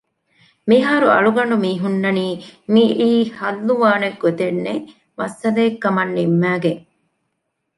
މިހާރު އަޅުގަނޑު މިހުންނަނީ މިޢީ ޙައްލުވާނެ ގޮތެއްނެތް މައްސަލައެއްކަމަށް ނިންމައިގެން